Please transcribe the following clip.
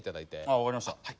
あ分かりました。